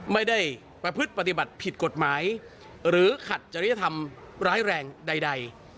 ไม่ได้ประพฤติปฏิบัติผิดกฎหมายหรือขัดจริยธรรมร้ายแรงใด